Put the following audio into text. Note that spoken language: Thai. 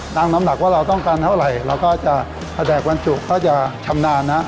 ตั้งน้ำหนักว่าเพราะการเท่าไรก็จะชำนะ